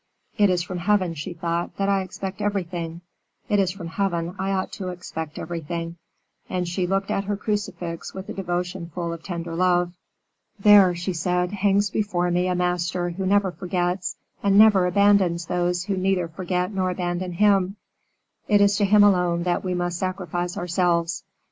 "It is from Heaven," she thought, "that I expect everything; it is from Heaven I ought to expect everything." And she looked at her crucifix with a devotion full of tender love. "There," she said, "hangs before me a Master who never forgets and never abandons those who neither forget nor abandon Him; it is to Him alone that we must sacrifice ourselves."